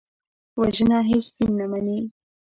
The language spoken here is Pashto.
وژنه هېڅ دین نه مني